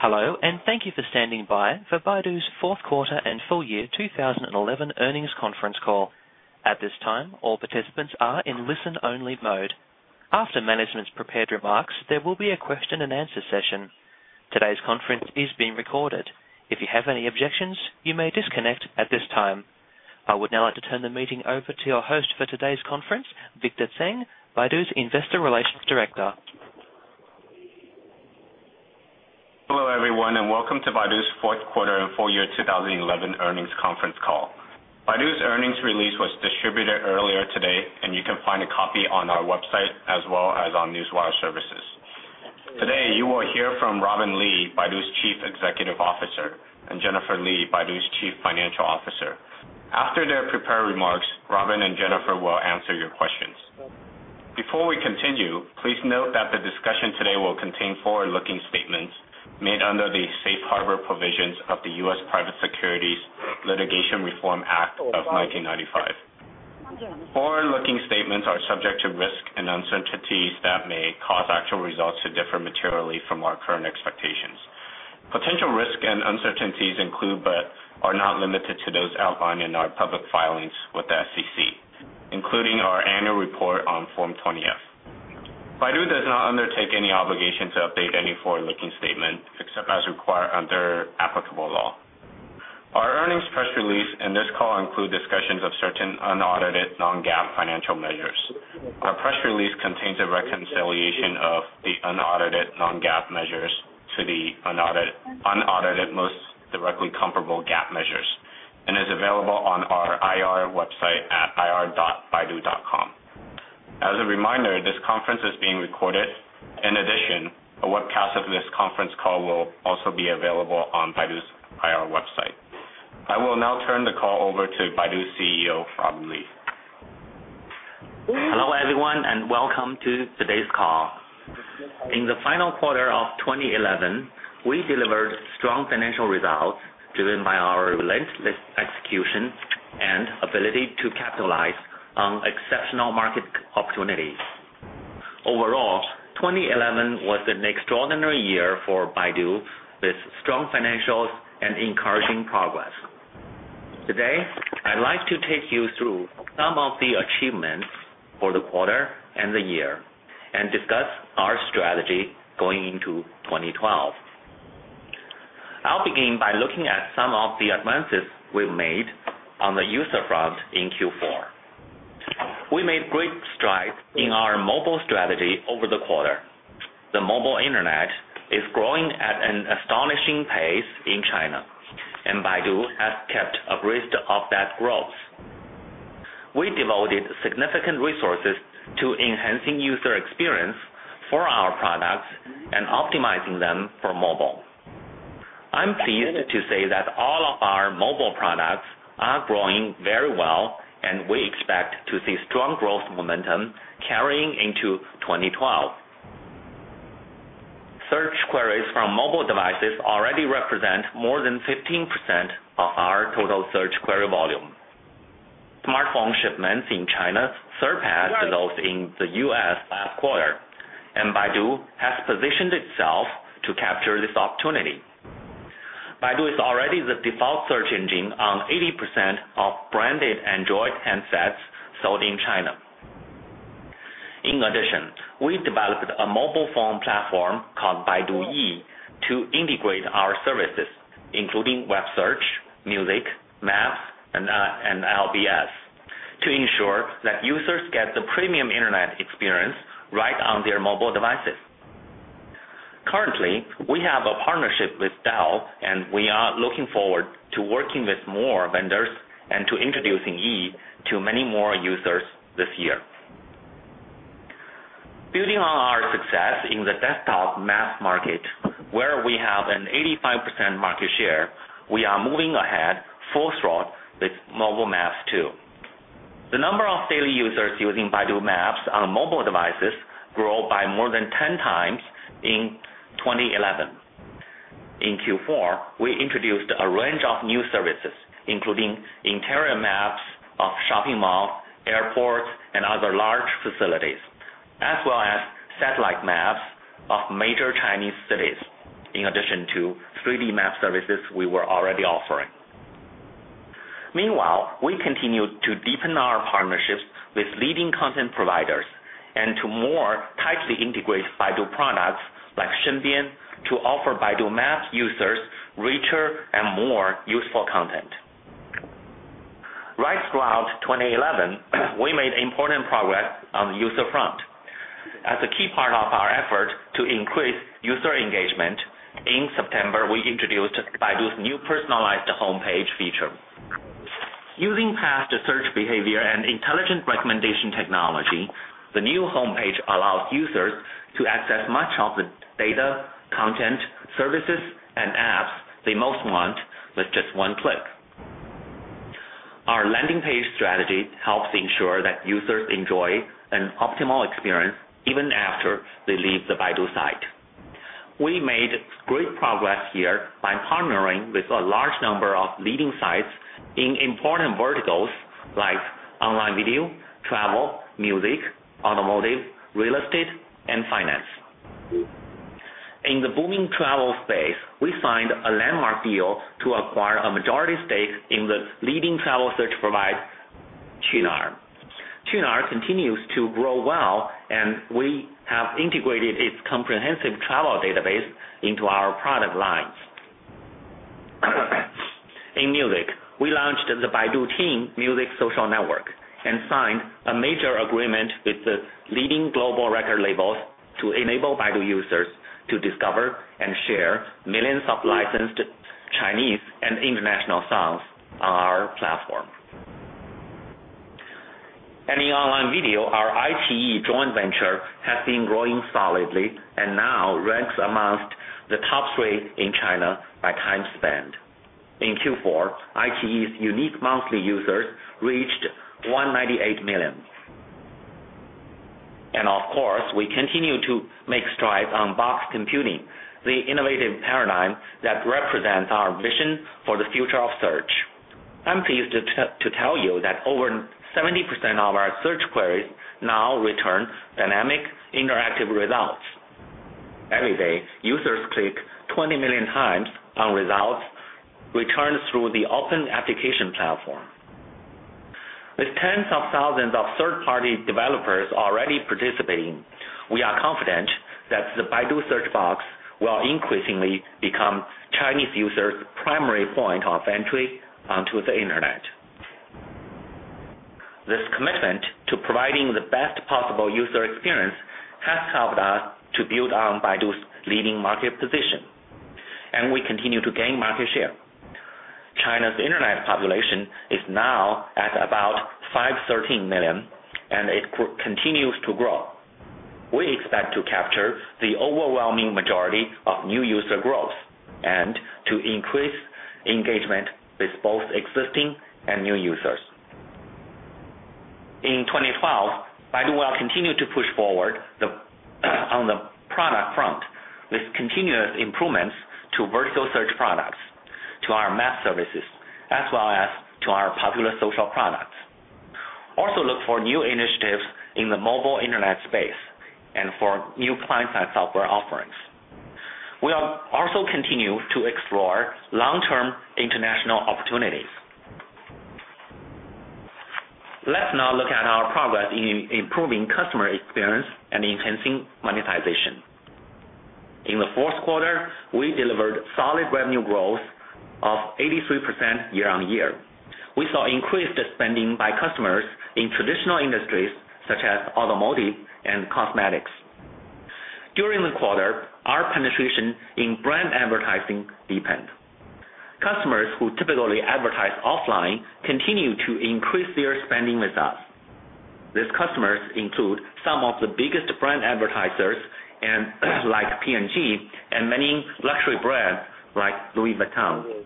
Hello, and thank you for standing by for Baidu's Fourth Quarter and Full-Year 2011 Earnings Conference Call. At this time, all participants are in listen-only mode. After management's prepared remarks, there will be a question and answer session. Today's conference is being recorded. If you have any objections, you may disconnect at this time. I would now like to turn the meeting over to your host for today's conference, Victor Tseng, Baidu's Investor Relations Director. Hello, everyone, and welcome to Baidu's Fourth Quarter and Full-Year 2011 Earnings Conference Call. Baidu's earnings release was distributed earlier today, and you can find a copy on our website as well as on newswire services. Today, you will hear from Robin Li, Baidu's Chief Executive Officer, and Jennifer Li, Baidu's Chief Financial Officer. After their prepared remarks, Robin and Jennifer will answer your questions. Before we continue, please note that the discussion today will contain forward-looking statements made under the Safe Harbor provisions of the U.S. Private Securities Litigation Reform Act of 1995. Forward-looking statements are subject to risk and uncertainties that may cause actual results to differ materially from our current expectations. Potential risks and uncertainties include, but are not limited to, those outlined in our public filings with the SEC, including our annual report on Form 20-F. Baidu does not undertake any obligation to update any forward-looking statement except as required under applicable law. Our earnings press release and this call include discussions of certain unaudited non-GAAP financial measures. Our press release contains a reconciliation of the unaudited non-GAAP measures to the unaudited most directly comparable GAAP measures and is available on our IR website at ir.baidu.com. As a reminder, this conference is being recorded. In addition, a webcast of this conference call will also be available on Baidu's IR website. I will now turn the call over to Baidu's CEO, Robin Li. Hello, everyone, and welcome to today's call. In the final quarter of 2011, we delivered strong financial results driven by our relentless execution and ability to capitalize on exceptional market opportunities. Overall, 2011 was an extraordinary year for Baidu with strong financials and encouraging progress. Today, I'd like to take you through some of the achievements for the quarter and the year and discuss our strategy going into 2012. I'll begin by looking at some of the advances we've made on the user front in Q4. We made great strides in our mobile strategy over the quarter. The mobile internet is growing at an astonishing pace in China, and Baidu has kept abreast of that growth. We devoted significant resources to enhancing user experience for our products and optimizing them for mobile. I'm pleased to say that all of our mobile products are growing very well, and we expect to see strong growth momentum carrying into 2012. Search queries from mobile devices already represent more than 15% of our total search query volume. Smartphone shipments in China surpassed those in the U.S. last quarter, and Baidu has positioned itself to capture this opportunity. Baidu is already the default search engine on 80% of branded Android headsets sold in China. In addition, we developed a mobile phone platform called Baidu Yi to integrate our services, including web search, music, maps, and LBS, to ensure that users get the premium internet experience right on their mobile devices. Currently, we have a partnership with Dell, and we are looking forward to working with more vendors and to introducing Yi to many more users this year. Building on our success in the desktop maps market, where we have an 85% market share, we are moving ahead full throttle with mobile maps too. The number of daily users using Baidu Maps on mobile devices grew by more than 10x in 2011. In Q4, we introduced a range of new services, including interior maps of shopping malls, airports, and other large facilities, as well as satellite maps of major Chinese cities, in addition to 3D map services we were already offering. Meanwhile, we continue to deepen our partnerships with leading content providers and to more tightly integrate Baidu products like Shenbian to offer Baidu Maps users richer and more useful content. Right throughout 2011, we made important progress on the user front. As a key part of our effort to increase user engagement, in September, we introduced Baidu's new personalized homepage feature. Using past search behavior and intelligent recommendation technology, the new homepage allows users to access much of the data, content, services, and apps they most want with just one click. Our landing page strategy helps ensure that users enjoy an optimal experience even after they leave the Baidu site. We made great progress here by partnering with a large number of leading sites in important verticals like online video, travel, music, automotive, real estate, and finance. In the booming travel space, we signed a landmark deal to acquire a majority stake in the leading travel search provider Qunar. Qunar continues to grow well, and we have integrated its comprehensive travel database into our product lines. In music, we launched the Baidu Team Music Social Network and signed a major agreement with the leading global record labels to enable Baidu users to discover and share millions of licensed Chinese and international songs on our platform. In online video, our iQIYI joint venture has been growing solidly and now ranks amongst the top three in China by time spent. In Q4, iQIYI's unique monthly users reached 198 million. Of course, we continue to make strides on Box Computing, the innovative paradigm that represents our vision for the future of search. I'm pleased to tell you that over 70% of our search queries now return dynamic, interactive results. Every day, users click 20 million times on results returned through the Open Application Platform. With tens of thousands of third-party developers already participating, we are confident that the Baidu search box will increasingly become Chinese users' primary point of entry onto the internet. This commitment to providing the best possible user experience has helped us to build on Baidu's leading market position, and we continue to gain market share. China's internet population is now at about 513 million, and it continues to grow. We expect to capture the overwhelming majority of new user growth and to increase engagement with both existing and new users. In 2012, Baidu will continue to push forward on the product front with continuous improvements to vertical search products, to our map services, as well as to our popular social products. Also, look for new initiatives in the mobile internet space and for new client-side software offerings. We will also continue to explore long-term international opportunities. Let's now look at our progress in improving customer experience and enhancing monetization. In the fourth quarter, we delivered solid revenue growth of 83% year-on-year. We saw increased spending by customers in traditional industries such as automotive and cosmetics. During the quarter, our penetration in brand advertising deepened. Customers who typically advertise offline continue to increase their spending with us. These customers include some of the biggest brand advertisers like P&G and many luxury brands like Louis Vuitton.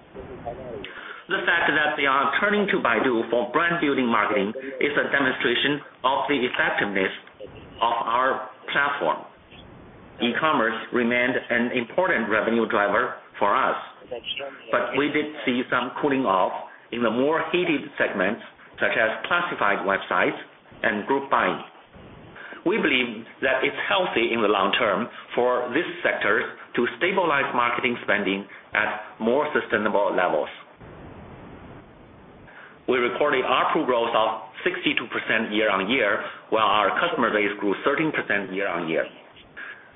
The fact that they are turning to Baidu for brand-building marketing is a demonstration of the effectiveness of our platform. E-commerce remained an important revenue driver for us, but we did see some cooling off in the more heated segments such as classified websites and group buying. We believe that it's healthy in the long term for these sectors to stabilize marketing spending at more sustainable levels. We recorded an upward growth of 62% year-on-year while our customer base grew 13% year-on-year.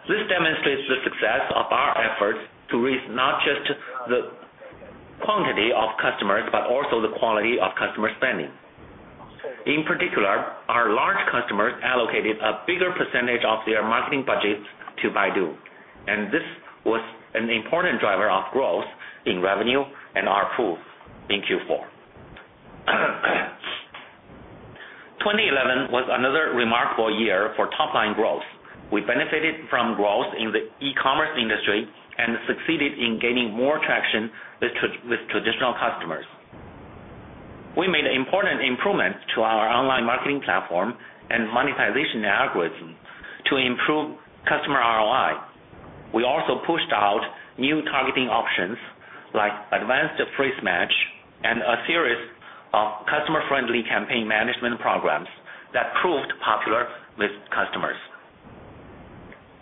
This demonstrates the success of our efforts to reach not just the quantity of customers but also the quality of customer spending. In particular, our large customers allocated a bigger percentage of their marketing budgets to Baidu, and this was an important driver of growth in revenue and our approval in Q4. 2011 was another remarkable year for top-line growth. We benefited from growth in the e-commerce industry and succeeded in gaining more traction with traditional customers. We made important improvements to our online marketing platform and monetization algorithm to improve customer ROI. We also pushed out new targeting options like advanced phrase match and a series of customer-friendly campaign management programs that proved popular with customers.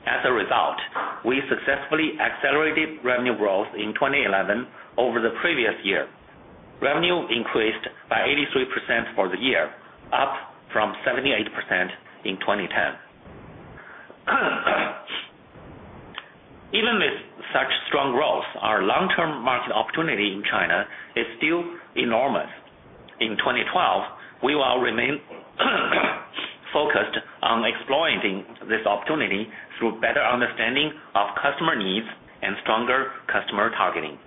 As a result, we successfully accelerated revenue growth in 2011 over the previous year. Revenue increased by 83% for the year, up from 78% in 2010. Even with such strong growth, our long-term market opportunity in China is still enormous. In 2012, we will remain focused on exploiting this opportunity through better understanding of customer needs and stronger customer targeting.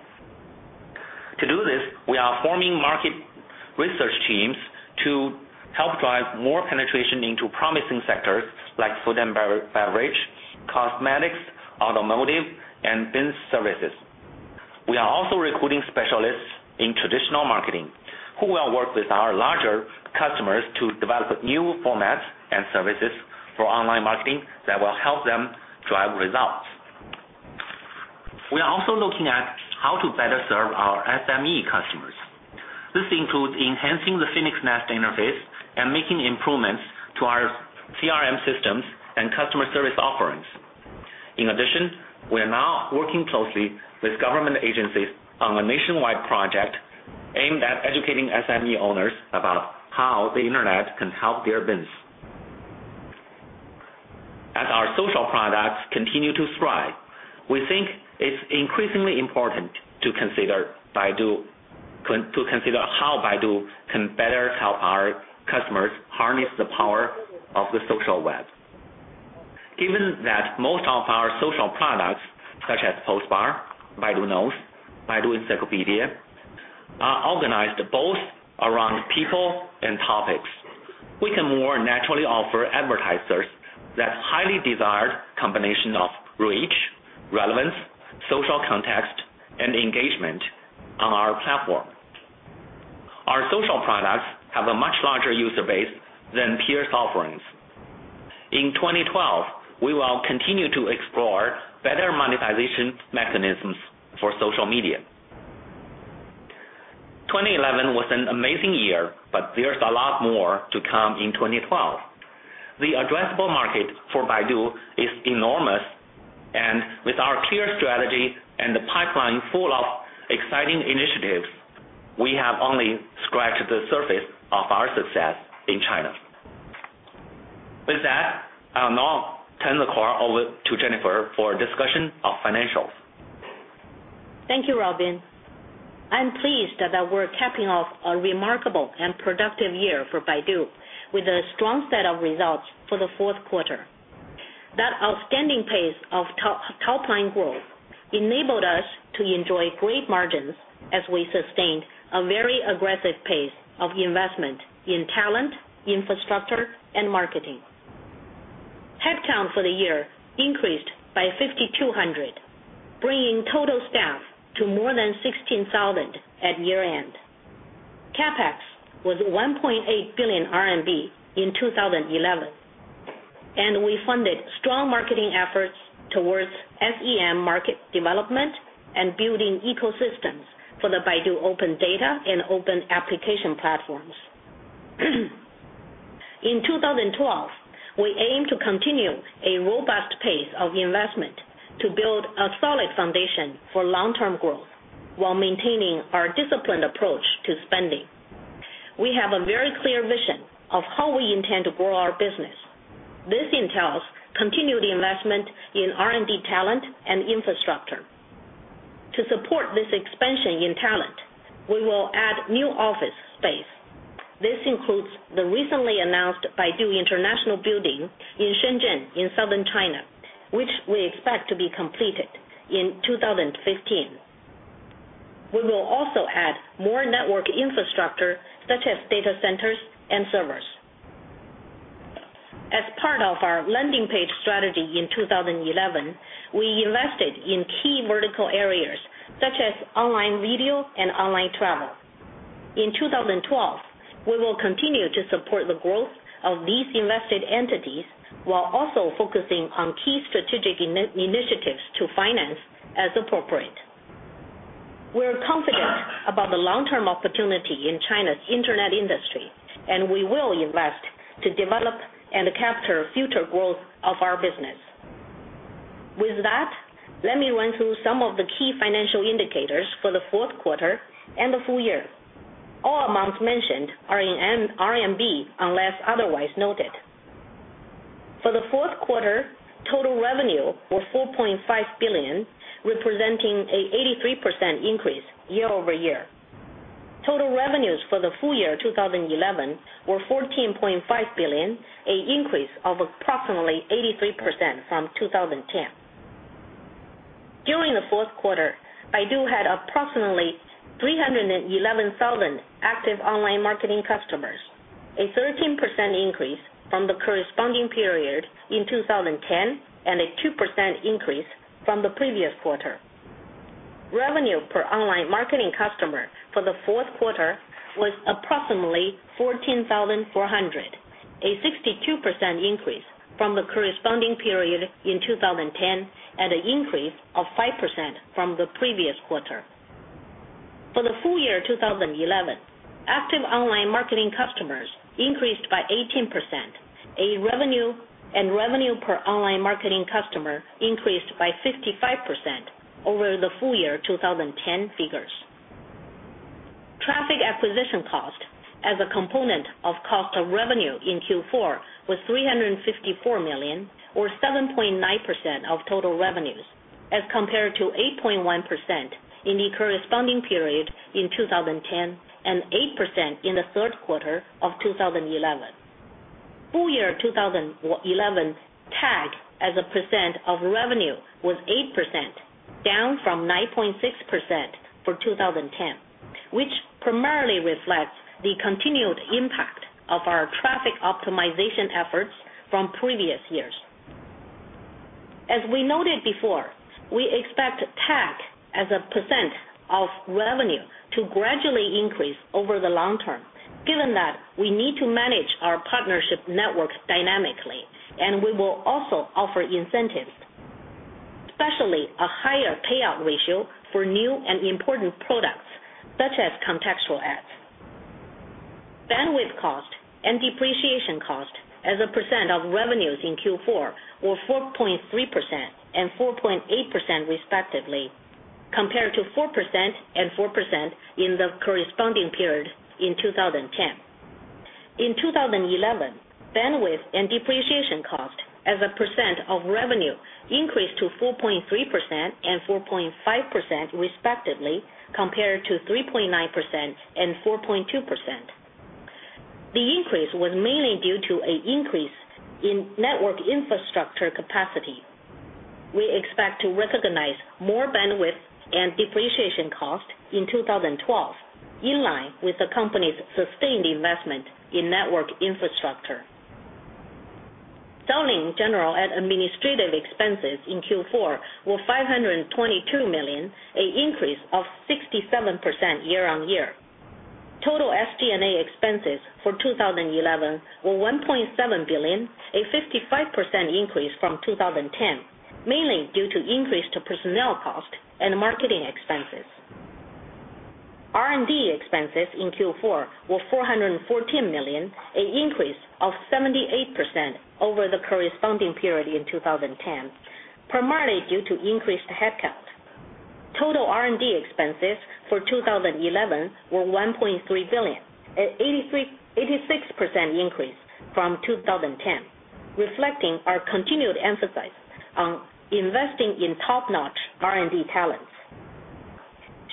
To do this, we are forming market research teams to help drive more penetration into promising sectors like food and beverage, cosmetics, automotive, and business services. We are also recruiting specialists in traditional marketing who will work with our larger customers to develop new formats and services for online marketing that will help them drive results. We are also looking at how to better serve our SME customers. This includes enhancing the Phoenix Nest interface and making improvements to our CRM systems and customer service offerings. In addition, we are now working closely with government agencies on a nationwide project aimed at educating SME owners about how the internet can help their business. As our social products continue to thrive, we think it's increasingly important to consider how Baidu can better help our customers harness the power of the social web. Given that most of our social products, such as Post Bar, Baidu Knows, and Baidu Encyclopedia, are organized both around people and topics, we can more naturally offer advertisers that highly desired combination of reach, relevance, social context, and engagement on our platform. Our social products have a much larger user base than peers' offerings. In 2012, we will continue to explore better monetization mechanisms for social media. 2011 was an amazing year, but there's a lot more to come in 2012. The addressable market for Baidu is enormous, and with our clear strategy and the pipeline full of exciting initiatives, we have only scratched the surface of our success in China. With that, I'll now turn the call over to Jennifer for a discussion of financials. Thank you, Robin. I'm pleased that we're capping off a remarkable and productive year for Baidu with a strong set of results for the fourth quarter. That outstanding pace of top-line growth enabled us to enjoy great margins as we sustained a very aggressive pace of investment in talent, infrastructure, and marketing. Headcount for the year increased by 5,200, bringing total staff to more than 16,000 at year-end. CapEx was 1.8 billion RMB in 2011, and we funded strong marketing efforts towards SEM market development and building ecosystems for the Baidu Open Data and Open Application Platforms. In 2012, we aim to continue a robust pace of investment to build a solid foundation for long-term growth while maintaining our disciplined approach to spending. We have a very clear vision of how we intend to grow our business. This entails continued investment in R&D talent and infrastructure. To support this expansion in talent, we will add new office space. This includes the recently announced Baidu International Building in Shenzhen in southern China, which we expect to be completed in 2015. We will also add more network infrastructure such as data centers and servers. As part of our landing page strategy in 2011, we invested in key vertical areas such as online video and online travel. In 2012, we will continue to support the growth of these invested entities while also focusing on key strategic initiatives to finance as appropriate. We're confident about the long-term opportunity in China's internet industry, and we will invest to develop and capture future growth of our business. With that, let me run through some of the key financial indicators for the fourth quarter and the full year. All amounts mentioned are in RMB unless otherwise noted. For the fourth quarter, total revenue was 4.5 billion, representing an 83% increase year-over-year. Total revenues for the full year 2011 were 14.5 billion, an increase of approximately 83% from 2010. During the fourth quarter, Baidu had approximately 311,000 active online marketing customers, a 13% increase from the corresponding period in 2010 and a 2% increase from the previous quarter. Revenue per online marketing customer for the fourth quarter was approximately 14,400, a 62% increase from the corresponding period in 2010 and an increase of 5% from the previous quarter. For the full year 2011, active online marketing customers increased by 18%, and revenue per online marketing customer increased by 55% over the full year 2010 figures. Traffic acquisition cost as a component of cost of revenue in Q4 was RMB 354 million, or 7.9% of total revenues, as compared to 8.1% in the corresponding period in 2010 and 8% in the third quarter of 2011. Full year 2011 TAC as a percent of revenue was 8%, down from 9.6% for 2010, which primarily reflects the continued impact of our traffic optimization efforts from previous years. As we noted before, we expect TAC as a percent of revenue to gradually increase over the long term, given that we need to manage our partnership network dynamically, and we will also offer incentives, especially a higher payout ratio for new and important products such as contextual ads. Bandwidth cost and depreciation cost as a percent of revenues in Q4 were 4.3% and 4.8% respectively, compared to 4% and 4% in the corresponding period in 2010. In 2011, bandwidth and depreciation cost as a percent of revenue increased to 4.3% and 4.5% respectively, compared to 3.9% and 4.2%. The increase was mainly due to an increase in network infrastructure capacity. We expect to recognize more bandwidth and depreciation cost in 2012, in line with the company's sustained investment in network infrastructure. Selling, general and administrative expenses in Q4 were 522 million, an increase of 67% year-on-year. Total SG&A expenses for 2011 were 1.7 billion, a 55% increase from 2010, mainly due to increased personnel cost and marketing expenses. R&D expenses in Q4 were 414 million, an increase of 78% over the corresponding period in 2010, primarily due to increased headcount. Total R&D expenses for 2011 were 1.3 billion, an 86% increase from 2010, reflecting our continued emphasis on investing in top-notch R&D talents.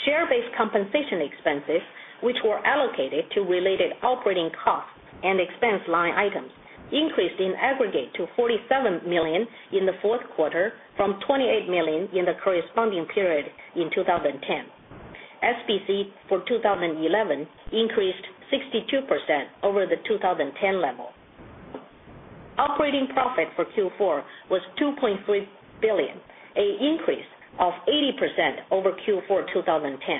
Share-based compensation expenses, which were allocated to related operating costs and expense line items, increased in aggregate to 47 million in the fourth quarter from 28 million in the corresponding period in 2010. SBC for 2011 increased 62% over the 2010 level. Operating profit for Q4 was 2.3 billion, an increase of 80% over Q4 2010.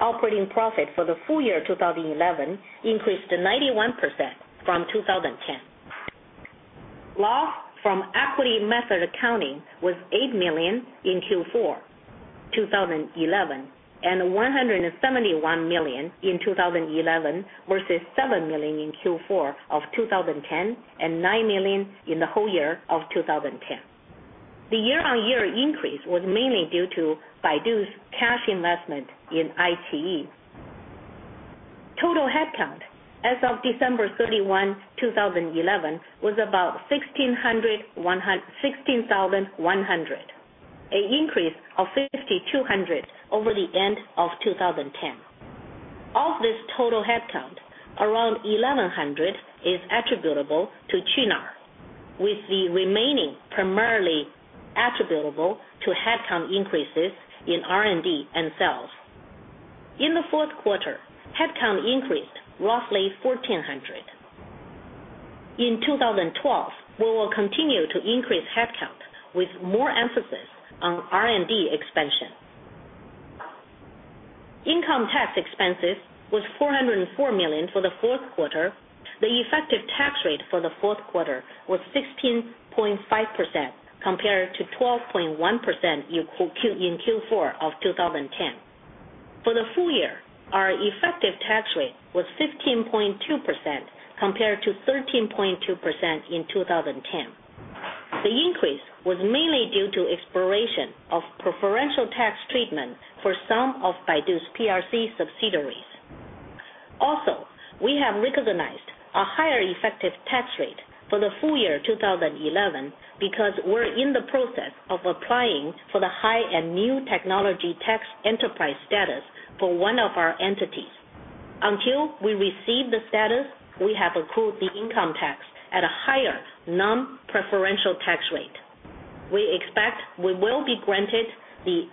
Operating profit for the full year 2011 increased to 91% from 2010. Loss from equity method accounting was 8 million in Q4 2011 and 171 million in 2011 versus 7 million in Q4 of 2010 and 9 million in the whole year of 2010. The year-on-year increase was mainly due to Baidu's cash investment in iQIYI. Total headcount as of December 31, 2011, was about 16,100, an increase of 5,200 over the end of 2010. Of this total headcount, around 1,100 is attributable to Qunar, with the remaining primarily attributable to headcount increases in R&D and sales. In the fourth quarter, headcount increased roughly 1,400. In 2012, we will continue to increase headcount with more emphasis on R&D expansion. Income tax expenses were 404 million for the fourth quarter. The effective tax rate for the fourth quarter was 16.5% compared to 12.1% in Q4 of 2010. For the full year, our effective tax rate was 15.2% compared to 13.2% in 2010. The increase was mainly due to expiration of preferential tax treatment for some of Baidu's PRC subsidiaries. Also, we have recognized a higher effective tax rate for the full year 2011 because we're in the process of applying for the high-end new technology tax enterprise status for one of our entities. Until we receive the status, we have accrued the income tax at a higher non-preferential tax rate. We expect we will be granted the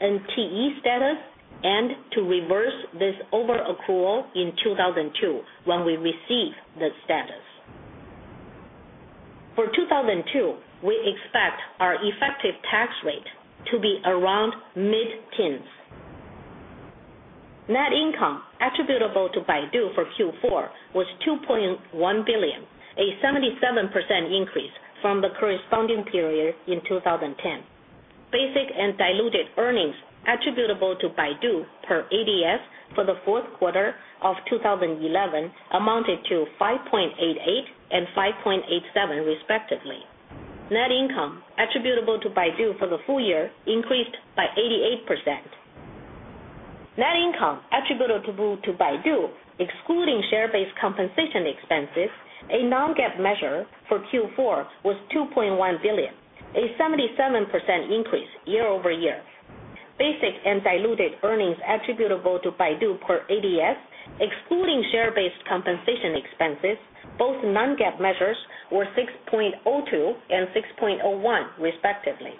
HNTE status and to reverse this over-accrual in 2012 when we receive the status. For 2012, we expect our effective tax rate to be around mid-teens. Net income attributable to Baidu for Q4 was 2.1 billion, a 77% increase from the corresponding period in 2010. Basic and diluted earnings attributable to Baidu per ADS for the fourth quarter of 2011 amounted to 5.88 billion and 5.87 billion, respectively. Net income attributable to Baidu for the full year increased by 88%. Net income attributable to Baidu, excluding share-based compensation expenses, a non-GAAP measure for Q4 was 2.1 billion, a 77% increase year-over-year. Basic and diluted earnings attributable to Baidu per ADS, excluding share-based compensation expenses, both non-GAAP measures, were 6.02 billion and 6.01 billion, respectively.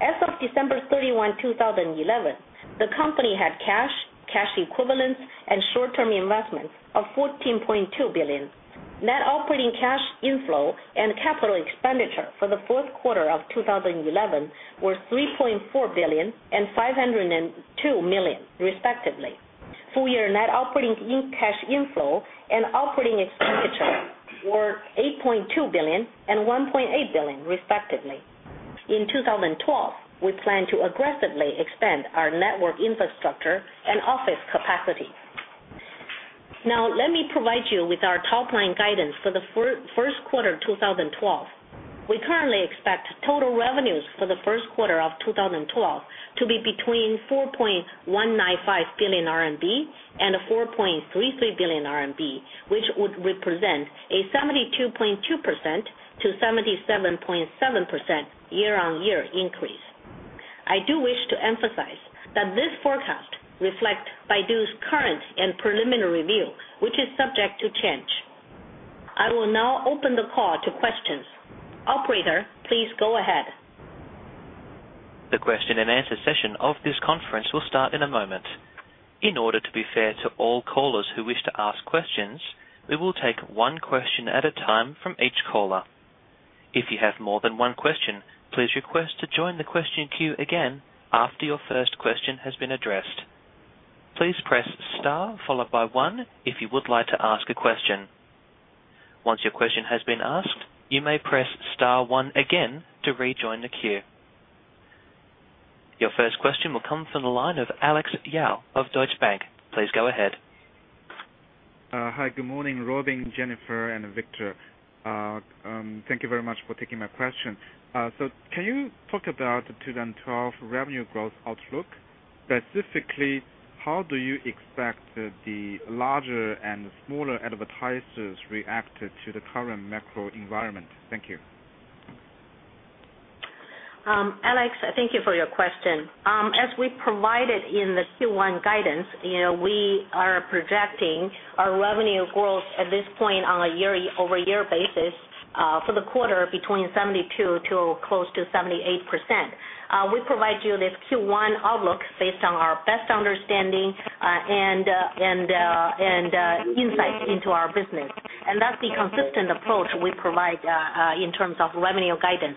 As of December 31, 2011, the company had cash, cash equivalents, and short-term investments of RMB 14.2 billion. Net operating cash inflow and capital expenditure for the fourth quarter of 2011 were 3.4 billion and 502 million, respectively. Full year net operating cash inflow and operating expenditure were 8.2 billion and 1.8 billion, respectively. In 2012, we plan to aggressively expand our network infrastructure and office capacity. Now, let me provide you with our top-line guidance for the first quarter of 2012. We currently expect total revenues for the first quarter of 2012 to be between 4.195 billion RMB and 4.33 billion RMB, which would represent a 72.2% to 77.7% year-on-year increase. I do wish to emphasize that this forecast reflects Baidu's current and preliminary view, which is subject to change. I will now open the call to questions. Operator, please go ahead. The question and answer session of this conference will start in a moment. In order to be fair to all callers who wish to ask questions, we will take one question at a time from each caller. If you have more than one question, please request to join the question queue again after your first question has been addressed. Please press star followed by one if you would like to ask a question. Once your question has been asked, you may press star one again to rejoin the queue. Your first question will come from the line of Alex Yao of Deutsche Bank. Please go ahead. Hi, good morning, Robin, Jennifer, and Victor. Thank you very much for taking my question. Can you talk about the 2012 revenue growth outlook? Specifically, how do you expect the larger and smaller advertisers to react to the current macro environment? Thank you. Alex, thank you for your question. As we provided in the Q1 guidance, we are projecting our revenue growth at this point on a year-over-year basis for the quarter between 72% to close to 78%. We provide you this Q1 outlook based on our best understanding and insight into our business. That's the consistent approach we provide in terms of revenue guidance.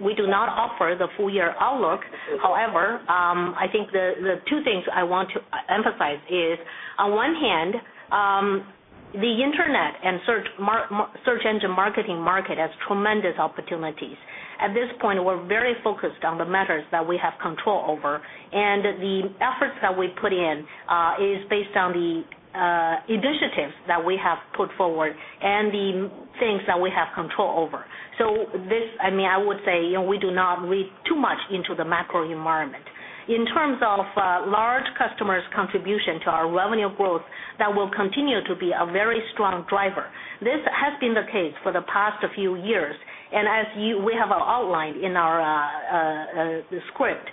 We do not offer the full-year outlook. However, I think the two things I want to emphasize is, on one hand, the internet and search engine marketing market has tremendous opportunities. At this point, we're very focused on the matters that we have control over, and the efforts that we put in are based on the initiatives that we have put forward and the things that we have control over. I would say we do not read too much into the macro environment. In terms of large customers' contribution to our revenue growth, that will continue to be a very strong driver. This has been the case for the past few years, and as we have outlined in our script,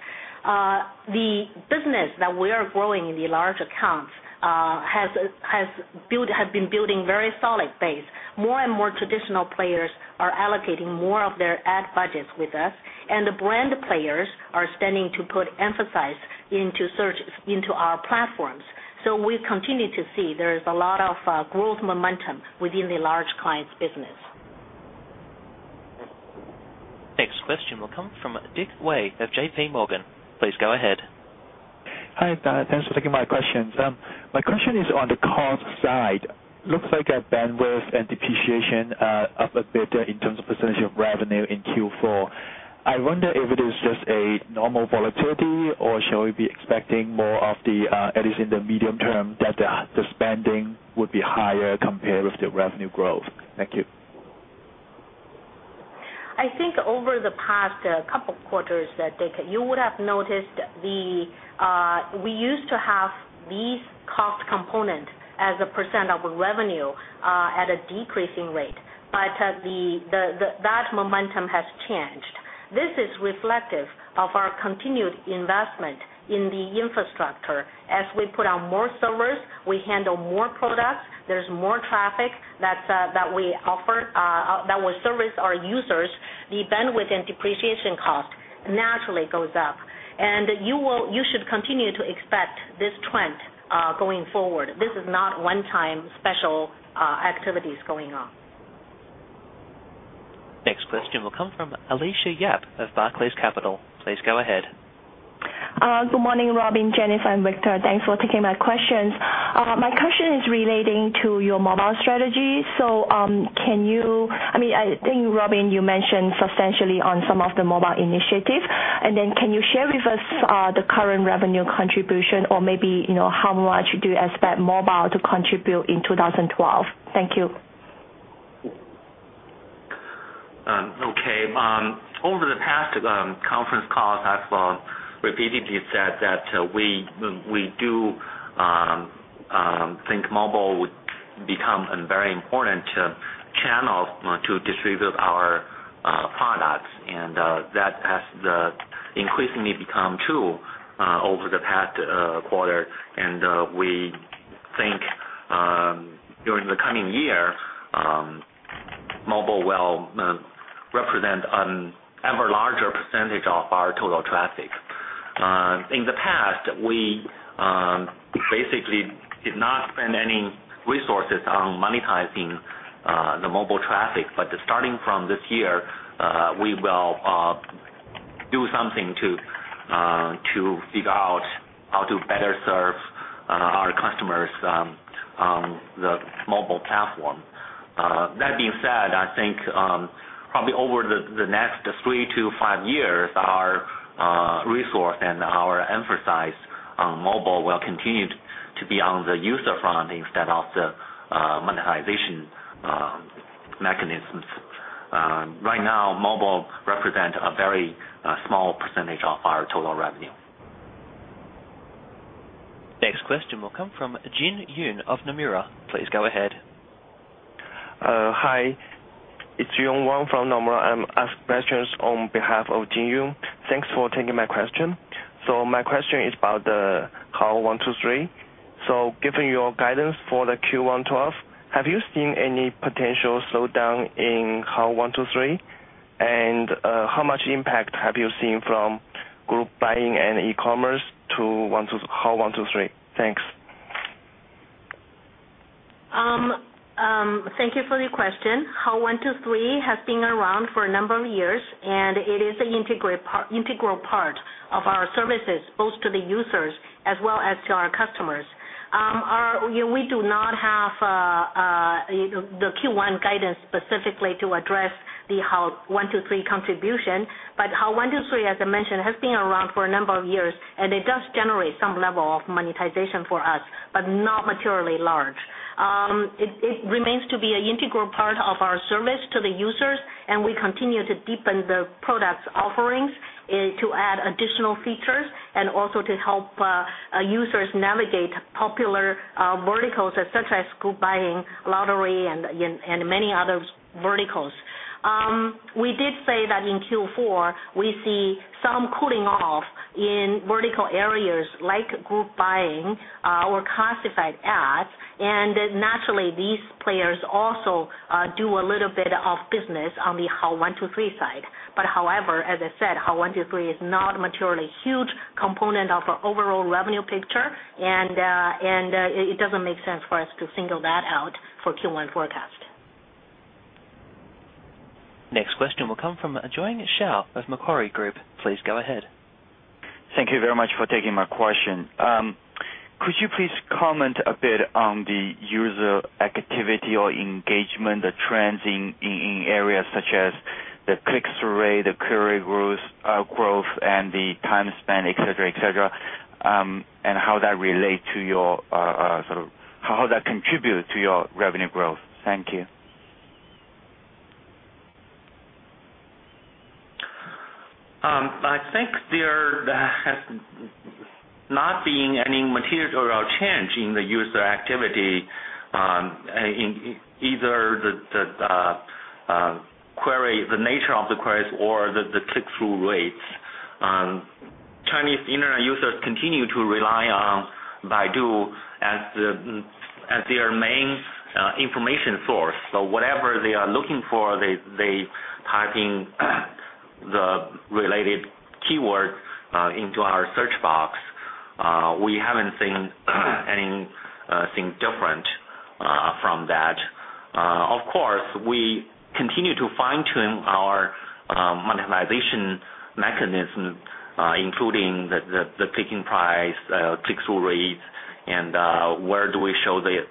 the business that we are growing in the large accounts has been building a very solid base. More and more traditional players are allocating more of their ad budgets with us, and the brand players are standing to put emphasis into our platforms. We continue to see there is a lot of growth momentum within the large clients' business. Next question will come from Dick Wei of JPMorgan. Please go ahead. Hi, thanks for taking my questions. My question is on the cost side. It looks like our bandwidth and depreciation are a bit better in terms of percentage of revenue in Q4. I wonder if it is just a normal volatility, or shall we be expecting more of the, at least in the medium term, that the spending would be higher compared with the revenue growth? Thank you. I think over the past couple of quarters, Dick, you would have noticed we used to have these cost components as a percent of revenue at a decreasing rate, but that momentum has changed. This is reflective of our continued investment in the infrastructure. As we put on more servers, we handle more products, there's more traffic that we offer that will service our users. The bandwidth and depreciation cost naturally goes up, and you should continue to expect this trend going forward. This is not one-time special activities going on. Next question will come from Alicia Yap of Barclays Capital. Please go ahead. Good morning, Robin, Jennifer, and Victor. Thanks for taking my questions. My question is relating to your mobile strategy. Can you, I mean, I think, Robin, you mentioned substantially on some of the mobile initiatives, and then can you share with us the current revenue contribution or maybe how much do you expect mobile to contribute in 2012? Thank you. Over the past conference calls, I've repeatedly said that we do think mobile would become a very important channel to distribute our products, and that has increasingly become true over the past quarter. We think during the coming year, mobile will represent a larger percentage of our total traffic. In the past, we basically did not spend any resources on monetizing the mobile traffic, but starting from this year, we will do something to figure out how to better serve our customers on the mobile platform. That being said, I think probably over the next three to five years, our resource and our emphasis on mobile will continue to be on the user front instead of the monetization mechanisms. Right now, mobile represents a very small percentage of our total revenue. Next question will come from Jin Yoon of Nomura. Please go ahead. Hi, it's Yue Wang from Nomura. I'm asking questions on behalf of Jin Yoon. Thanks for taking my question. My question is about the Hao123. Given your guidance for the Q1 2012, have you seen any potential slowdown in Hao123? How much impact have you seen from group buying and e-commerce to Hao123? Thanks. Thank you for the question. Hao123 has been around for a number of years, and it is an integral part of our services, both to the users as well as to our customers. We do not have the Q1 guidance specifically to address the Hao123 contribution, but Hao123, as I mentioned, has been around for a number of years, and it does generate some level of monetization for us, but not materially large. It remains to be an integral part of our service to the users, and we continue to deepen the product's offerings to add additional features and also to help users navigate popular verticals such as group buying, lottery, and many other verticals. We did say that in Q4, we see some cooling off in vertical areas like group buying or classified ads, and naturally, these players also do a little bit of business on the Hao123 side. However, as I said, Hao123 is not a materially huge component of the overall revenue picture, and it doesn't make sense for us to single that out for Q1 forecast. Next question will come from Jiong Shao of Macquarie Group. Please go ahead. Thank you very much for taking my question. Could you please comment a bit on the user activity or engagement, the trends in areas such as the click rate, the query growth, and the time span, et cetera, et cetera and how that relates to your sort of how that contributes to your revenue growth? Thank you. I think there has not been any material change in the user activity in either the query, the nature of the queries, or the click-through rates. Chinese internet users continue to rely on Baidu as their main information source. Whatever they are looking for, they type in the related keywords into our search box. We haven't seen anything different from that. Of course, we continue to fine-tune our monetization mechanism, including the clicking price, click-through rates, where we show the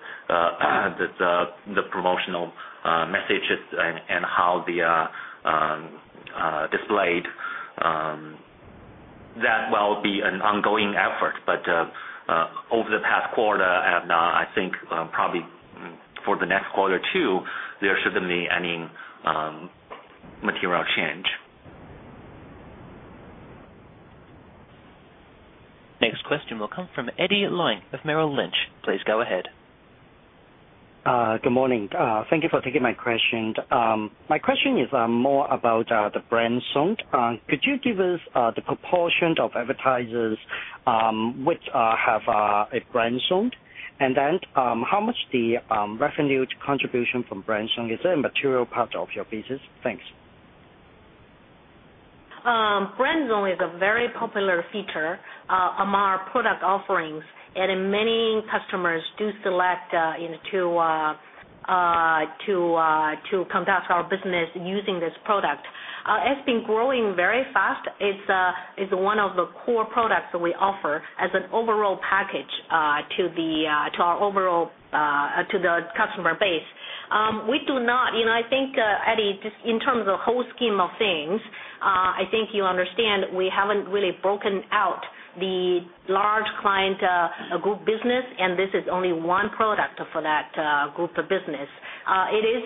promotional messages, and how they are displayed. That will be an ongoing effort. Over the past quarter, and I think probably for the next quarter too, there shouldn't be any material change. Next question will come from Eddie Leung of Merrill Lynch. Please go ahead. Good morning. Thank you for taking my question. My question is more about the Brand Zone. Could you give us the proportion of advertisers which have a Brand Zone? How much the revenue contribution from Brand Zone is a material part of your business? Thanks. Brand Zone is a very popular feature among our product offerings, and many customers do select to conduct our business using this product. It's been growing very fast. It's one of the core products that we offer as an overall package to our overall customer base. I think, Eddie, just in terms of the whole scheme of things, I think you understand we haven't really broken out the large client group business, and this is only one product for that group of business. It is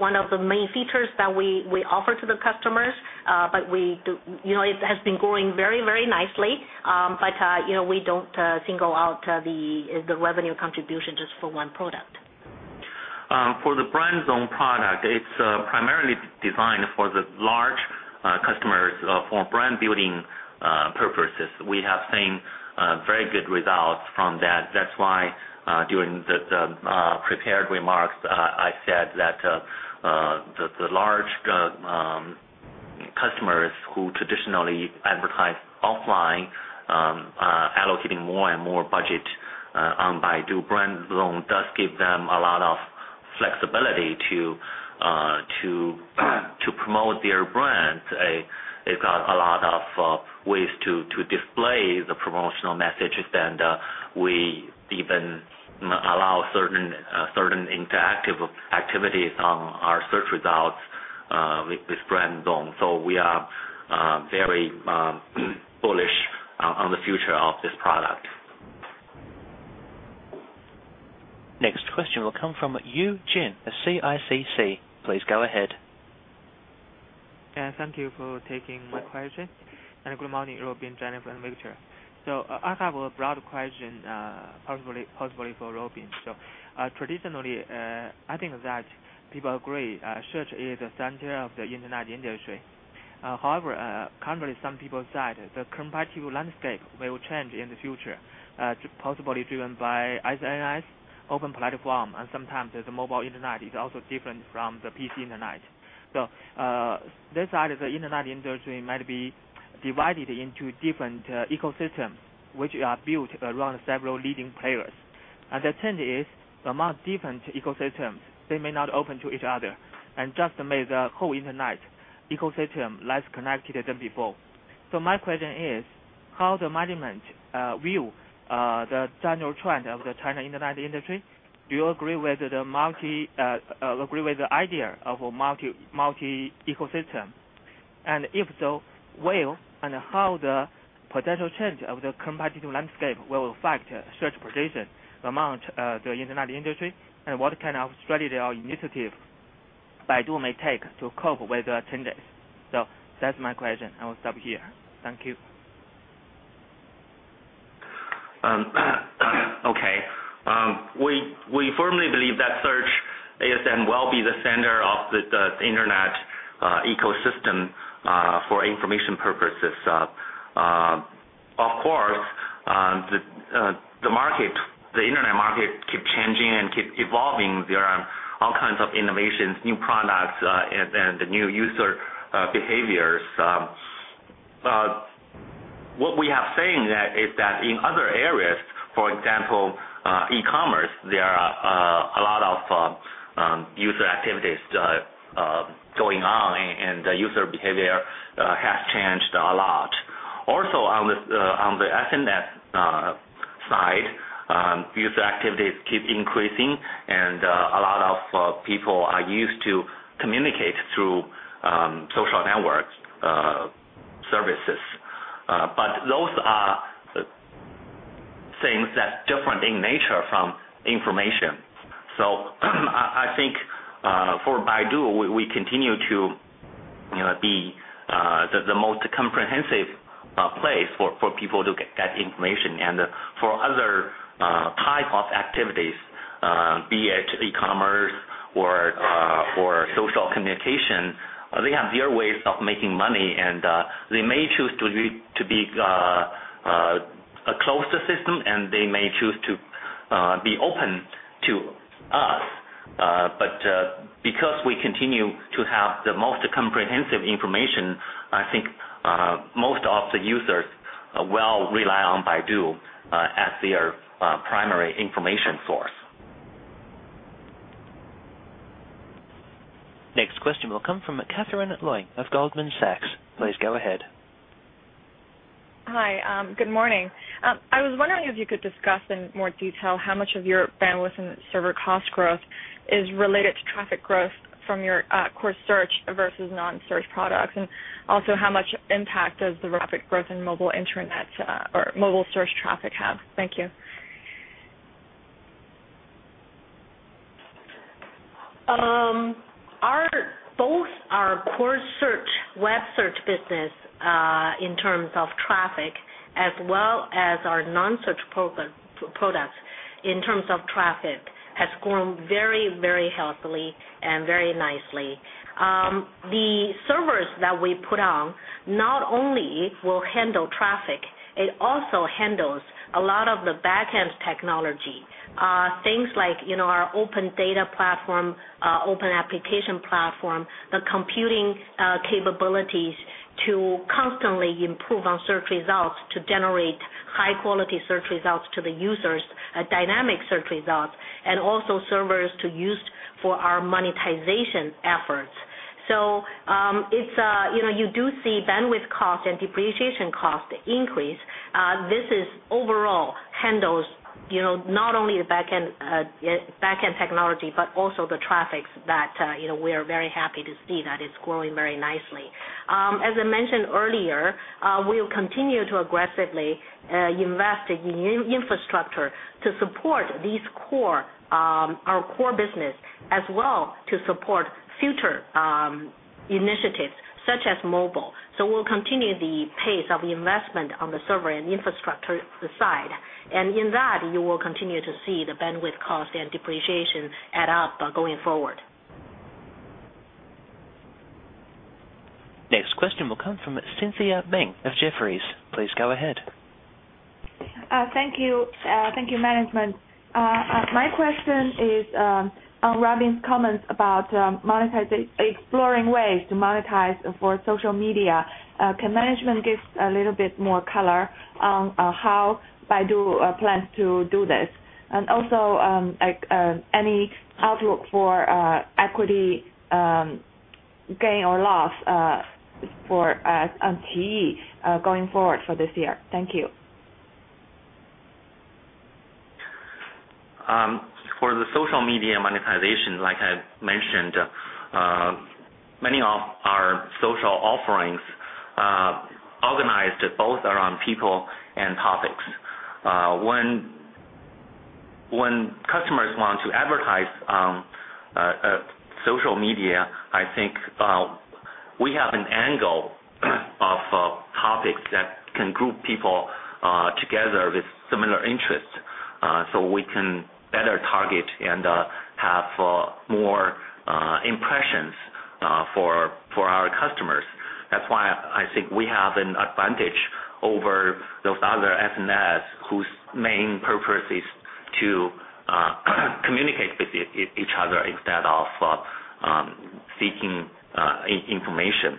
one of the main features that we offer to the customers, and it has been growing very, very nicely. We don't single out the revenue contribution just for one product. For the Brand Zone product, it's primarily designed for the large customers for brand-building purposes. We have seen very good results from that. That's why during the prepared remarks, I said that the large customers who traditionally advertise offline, allocating more and more budget on Baidu Brand Zone, does give them a lot of flexibility to promote their brand. It's got a lot of ways to display the promotional messages, and we even allow certain interactive activities on our search results with Brand Zone. We are very bullish on the future of this product. Next question will come from Yu Jin at CICC. Please go ahead. Thank you for taking my question. Good morning, Robin, Jennifer, and Victor. I have a broad question, possibly for Robin. Traditionally, I think that people agree search is the center of the internet industry. However, currently, some people said the competitive landscape will change in the future, possibly driven by SNS, open platform, and sometimes the mobile internet is also different from the PC internet. They said the internet industry might be divided into different ecosystems which are built around several leading players. The trend is, among different ecosystems, they may not open to each other and just make the whole internet ecosystem less connected than before. My question is, how does the management view the general trend of the China internet industry? Do you agree with the idea of a multi-ecosystem? If so, where and how will the potential change of the competitive landscape affect search position among the internet industry, and what kind of strategy or initiative Baidu may take to cope with the changes? That's my question. I will stop here. Thank you. Okay. We firmly believe that search is and will be the center of the internet ecosystem for information purposes. Of course, the market, the internet market, keeps changing and keeps evolving. There are all kinds of innovations, new products, and new user behaviors. What we have seen is that in other areas, for example, e-commerce, there are a lot of user activities going on, and the user behavior has changed a lot. Also, on the SNS side, user activities keep increasing, and a lot of people are used to communicate through social network services. Those are things that are different in nature from information. I think for Baidu, we continue to be the most comprehensive place for people to get that information. For other types of activities, be it e-commerce or social communication, they have their ways of making money, and they may choose to be a closed system, and they may choose to be open to us. Because we continue to have the most comprehensive information, I think most of the users will rely on Baidu as their primary information source. Next question will come from Catherine Leung of Goldman Sachs. Please go ahead. Hi, good morning. I was wondering if you could discuss in more detail how much of your bandwidth and server cost growth is related to traffic growth from your core search versus non-search products, and also how much impact does the rapid growth in mobile internet or mobile search traffic have? Thank you. Both our core search, web search business in terms of traffic, as well as our non-search products in terms of traffic, has grown very, very healthily and very nicely. The servers that we put on not only will handle traffic, it also handles a lot of the backend technology, things like our Open Data Platform, Open Application Platform, the computing capabilities to constantly improve on search results to generate high-quality search results to the users, dynamic search results, and also servers to use for our monetization efforts. You do see bandwidth cost and depreciation cost increase. This overall handles not only the backend technology, but also the traffic that we are very happy to see that it's growing very nicely. As I mentioned earlier, we will continue to aggressively invest in new infrastructure to support our core business as well to support future initiatives such as mobile. We'll continue the pace of investment on the server and infrastructure side. In that, you will continue to see the bandwidth cost and depreciation add up going forward. Next question will come from Cynthia Meng of Jefferies. Please go ahead. Thank you. Thank you, management. My question is on Robin's comments about exploring ways to monetize for social media. Can management give a little bit more color on how Baidu plans to do this? Also, any outlook for equity gain or loss for iQIYI going forward for this year? Thank you. For the social media monetization, like I mentioned, many of our social offerings are organized both around people and topics. When customers want to advertise on social media, I think we have an angle of topics that can group people together with similar interests. We can better target and have more impressions for our customers. That's why I think we have an advantage over those other SNS whose main purpose is to communicate with each other instead of seeking information.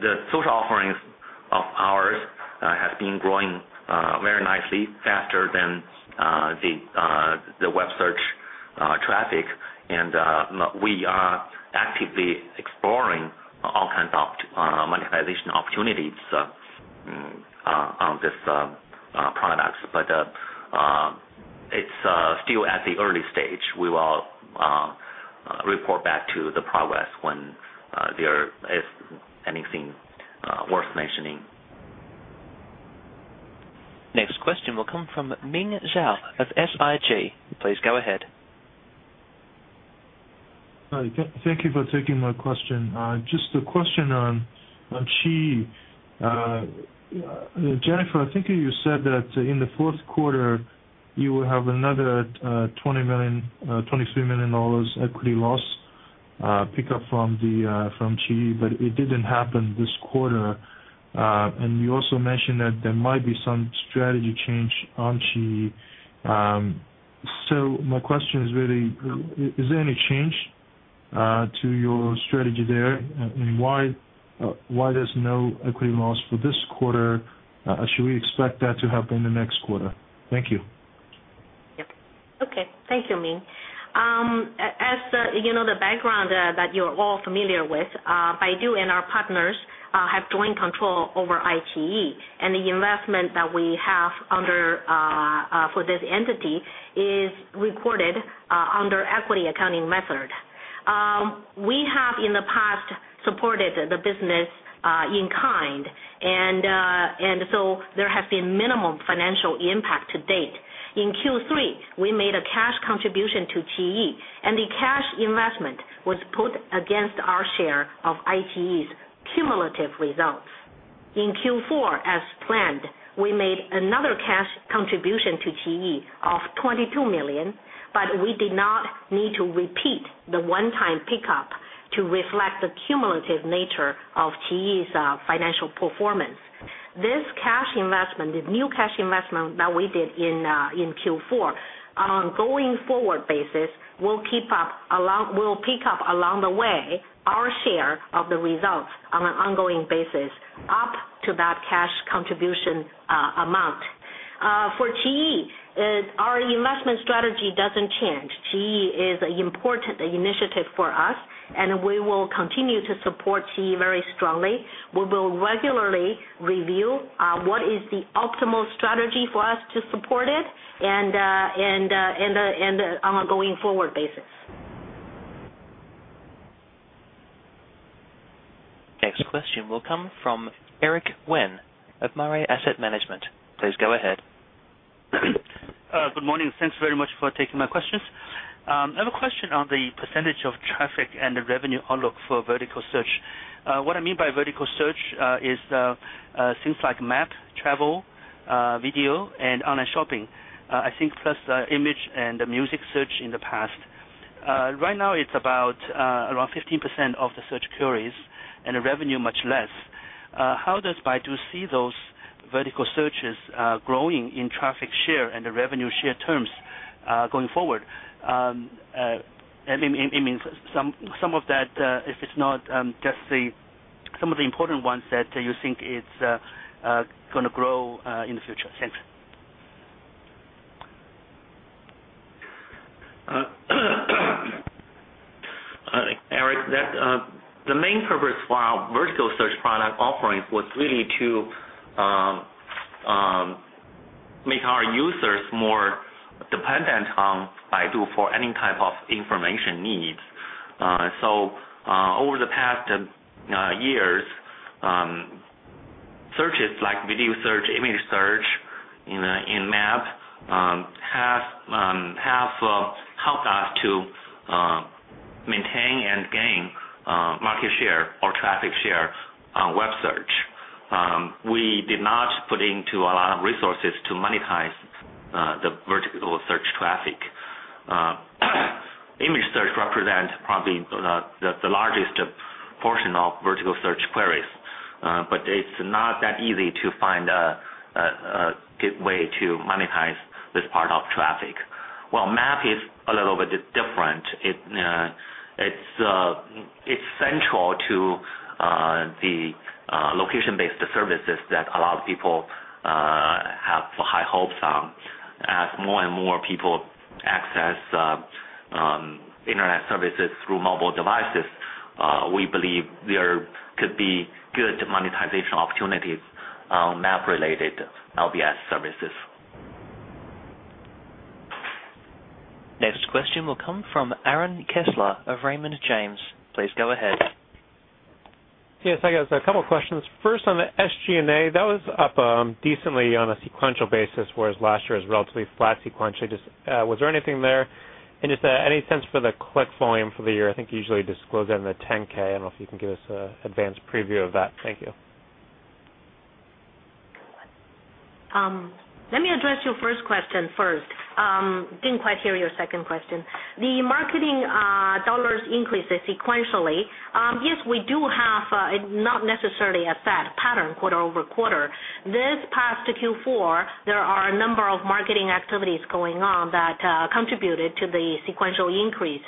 The social offerings of ours have been growing very nicely, faster than the web search traffic, and we are actively exploring all kinds of monetization opportunities on this product. It is still at the early stage. We will report back to the progress when there is anything worth mentioning. Next question will come from Ming Zhao of SIG. Please go ahead. Thank you for taking my question. Just a question on iQIYI. Jennifer, I think you said that in the fourth quarter, you will have another $23 million equity loss pick up from iQIYI, but it didn't happen this quarter. You also mentioned that there might be some strategy change on iQIYI. My question is really, is there any change to your strategy there, and why there's no equity loss for this quarter? Should we expect that to happen in the next quarter? Thank you. Okay. Thank you, Ming. As you know, the background that you're all familiar with, Baidu and our partners have joint control over iQIYI, and the investment that we have for this entity is reported under the equity accounting method. We have in the past supported the business in kind, and so there has been minimal financial impact to date. In Q3, we made a cash contribution to iQIYI, and the cash investment was put against our share of iQIYI's cumulative results. In Q4, as planned, we made another cash contribution to iQIYI of $22 million, but we did not need to repeat the one-time pickup to reflect the cumulative nature of iQIYI's financial performance. This cash investment, the new cash investment that we did in Q4, on an ongoing forward basis, will pick up along the way our share of the results on an ongoing basis up to that cash contribution amount. For iQIYI, our investment strategy doesn't change. iQIYI is an important initiative for us, and we will continue to support iQIYI very strongly. We will regularly review what is the optimal strategy for us to support it on an ongoing forward basis. Next question will come from Eric Wen of Mirae Asset Management. Please go ahead. Good morning. Thanks very much for taking my questions. I have a question on the percentage of traffic and the revenue outlook for vertical search. What I mean by vertical search is things like map, travel, video, and online shopping, I think, plus the image and the music search in the past. Right now, it's about around 15% of the search queries and the revenue much less. How does Baidu see those vertical searches growing in traffic share and the revenue share terms going forward? I mean, some of that, if it's not, just some of the important ones that you think is going to grow in the future. Thanks. Eric, the main purpose for our vertical search product offerings was really to make our users more dependent on Baidu for any type of information needs. Over the past years, searches like video search, image search, and map have helped us to maintain and gain market share or traffic share on web search. We did not put in a lot of resources to monetize the vertical search traffic. Image search represents probably the largest portion of vertical search queries, but it's not that easy to find a good way to monetize this part of traffic. Map is a little bit different. It's central to the location-based services that a lot of people have high hopes on. As more and more people access internet services through mobile devices, we believe there could be good monetization opportunities on map-related LBS services. Next question will come from Aaron Kessler of Raymond James. Please go ahead. Yes, I got a couple of questions. First, on the SG&A, that was up decently on a sequential basis, whereas last year was relatively flat sequentially. Was there anything there? Just any sense for the click volume for the year? I think you usually disclose that in the 10-K. I don't know if you can give us an advanced preview of that. Thank you. Let me address your first question first. Didn't quite hear your second question. The marketing dollars increase sequentially. Yes, we do have not necessarily a flat pattern quarter-over-quarter. This past Q4, there are a number of marketing activities going on that contributed to the sequential increase.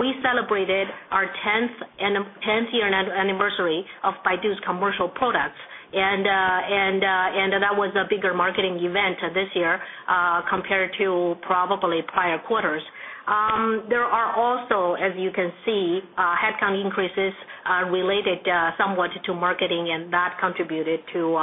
We celebrated our 10th year anniversary of Baidu's commercial products, and that was a bigger marketing event this year compared to probably prior quarters. There are also, as you can see, headcount increases related somewhat to marketing, and that contributed to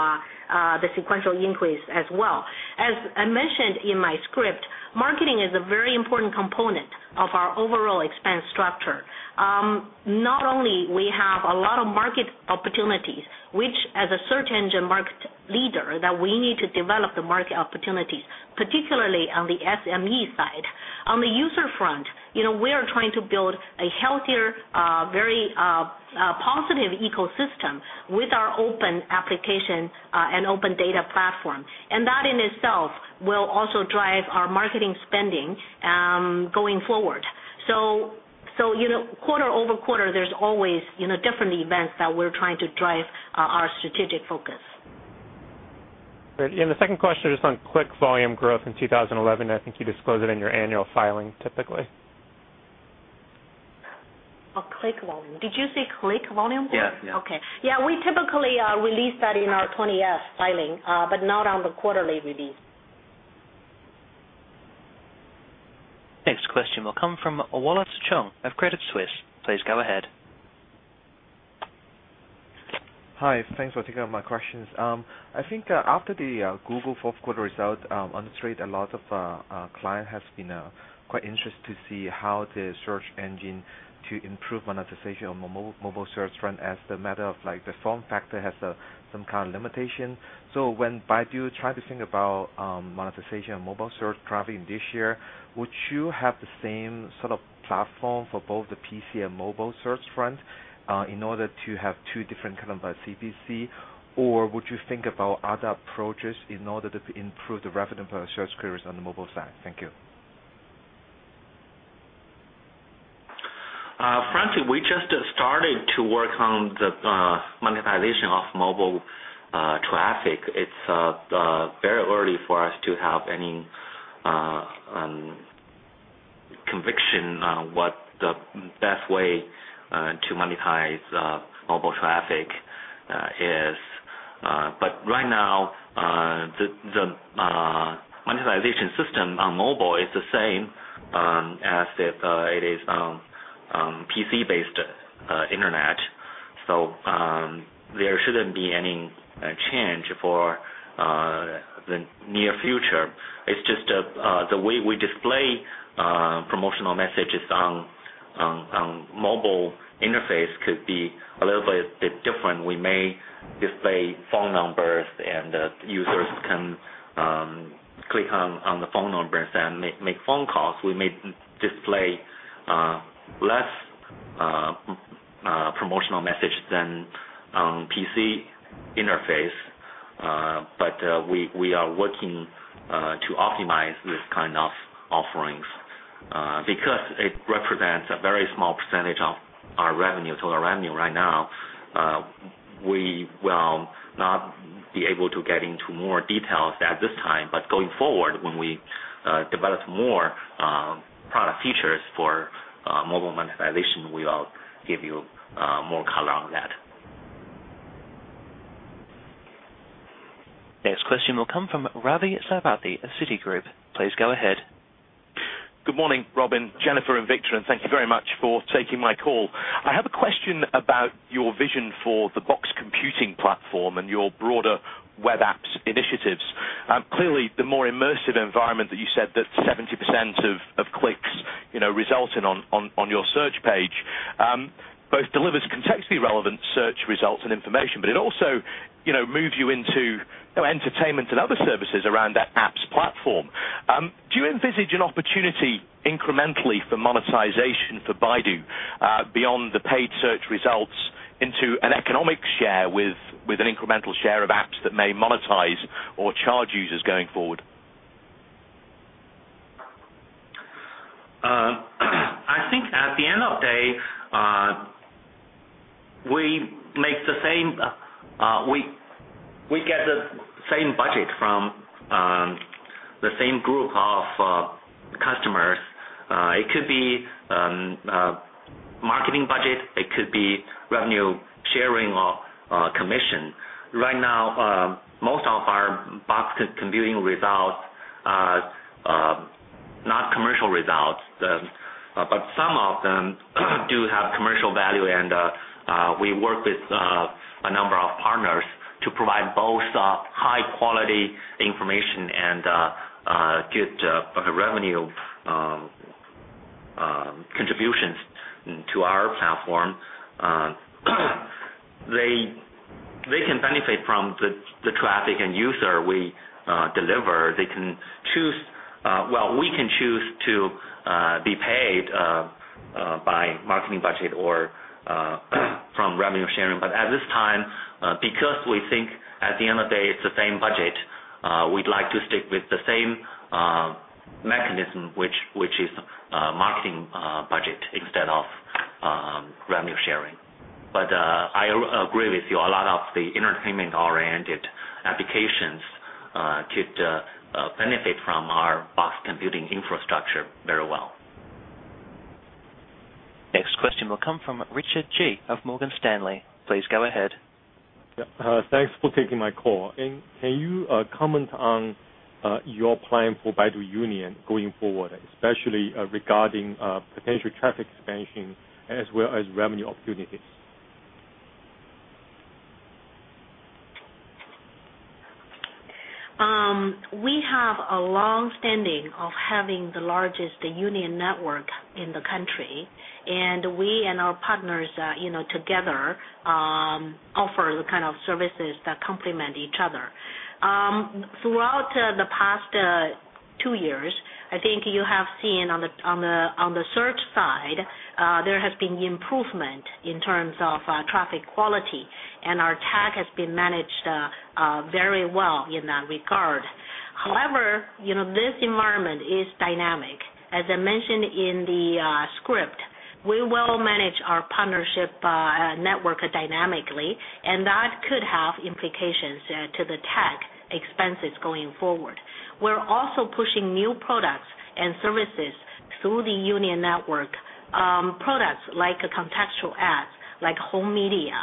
the sequential increase as well. As I mentioned in my script, marketing is a very important component of our overall expense structure. Not only do we have a lot of market opportunities, which as a search engine market leader, we need to develop the market opportunities, particularly on the SME side. On the user front, we are trying to build a healthier, very positive ecosystem with our Open Application and Open Data Platform. That in itself will also drive our marketing spending going forward. Quarter-over-quarter, there's always different events that we're trying to drive our strategic focus. The second question is on click volume growth in 2011. I think you disclose it in your annual filing typically. Oh, click volume. Did you say click volume? Yes. Okay, yeah, we typically release that in our 20-F filing, but not on the quarterly release. Next question will come from Wallace Chung of Credit Suisse. Please go ahead. Hi, thanks for taking my questions. I think after the Google fourth quarter result on the trade, a lot of clients have been quite interested to see how the search engine to improve monetization on mobile search front as a matter of like the form factor has some kind of limitation. When Baidu tried to think about monetization on mobile search traffic in this year, would you have the same sort of platform for both the PC and mobile search front in order to have two different kinds of CPC, or would you think about other approaches in order to improve the revenue per search queries on the mobile side? Thank you. Frankly, we just started to work on the monetization of mobile traffic. It's very early for us to have any conviction on what the best way to monetize mobile traffic is. Right now, the monetization system on mobile is the same as it is on PC-based internet. There shouldn't be any change for the near future. It's just the way we display promotional messages on mobile interface could be a little bit different. We may display phone numbers, and users can click on the phone numbers and make phone calls. We may display less promotional messages than on PC interface. We are working to optimize this kind of offerings because it represents a very small percentage of our total revenue right now. We will not be able to get into more details at this time. Going forward, when we develop more product features for mobile monetization, we will give you more color on that. Next question will come from Ravi Sarathy of Citigroup. Please go ahead. Good morning, Robin, Jennifer, and Victor. Thank you very much for taking my call. I have a question about your vision for the Box Computing platform and your broader web apps initiatives. Clearly, the more immersive environment that you said, the 70% of clicks resulting on your search page, both delivers contextually relevant search results and information, but it also moves you into entertainment and other services around that app's platform. Do you envisage an opportunity incrementally for monetization for Baidu beyond the paid search results into an economic share with an incremental share of apps that may monetize or charge users going forward? I think at the end of the day, we make the same, we get the same budget from the same group of customers. It could be marketing budget. It could be revenue sharing or commission. Right now, most of our Box Computing results are not commercial results, but some of them do have commercial value, and we work with a number of partners to provide both high-quality information and good revenue contributions to our platform. They can benefit from the traffic and user we deliver. They can choose, we can choose to be paid by marketing budget or from revenue sharing. At this time, because we think at the end of the day, it's the same budget, we'd like to stick with the same mechanism, which is marketing budget instead of revenue sharing. I agree with you, a lot of the entertainment-oriented applications could benefit from our Box Computing infrastructure very well. Next question will come from Richard Ji of Morgan Stanley. Please go ahead. Thanks for taking my call. Can you comment on your plan for Baidu Union going forward, especially regarding potential traffic expansion as well as revenue opportunities? We have a longstanding of having the largest union network in the country, and we and our partners together offer the kind of services that complement each other. Throughout the past two years, I think you have seen on the search side, there has been improvement in terms of traffic quality, and our tag has been managed very well in that regard. However, this environment is dynamic. As I mentioned in the script, we will manage our partnership network dynamically, and that could have implications to the tag expenses going forward. We're also pushing new products and services through the union network, products like contextual ads, like home media.